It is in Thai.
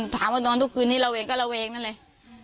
ถามว่านอนทุกคืนนี้เราเองก็เราเองนั่นเลย